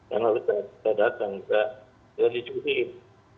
dan kalau saya datang saya disusihin